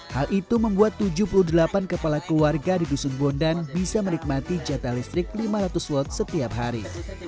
hal itu membuat tujuh puluh delapan kepala keluarga di dusun bondan bisa menikmati jata listrik lima ratus watt setiap hari